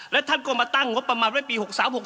แล้วท่านก็มาตั้งงบประมาณไว้ปี๖๓๖๖